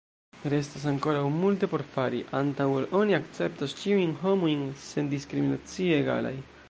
Restas ankoraŭ multe por fari, antaŭ ol oni akceptos ĉiujn homojn sendiskriminacie egalaj.